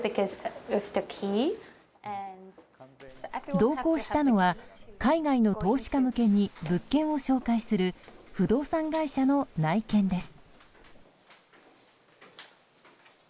同行したのは海外の投資家向けに物件を紹介する不動産会社の内見です。